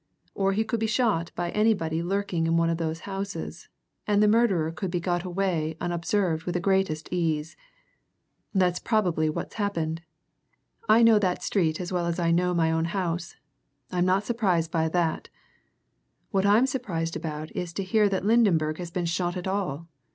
Or he could be shot by anybody lurking in one of those houses, and the murderer could be got away unobserved with the greatest ease. That's probably what's happened I know that street as well as I know my own house I'm not surprised by that! What I'm surprised about is to hear that Lydenberg has been shot at all.